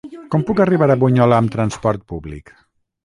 Com puc arribar a Bunyola amb transport públic?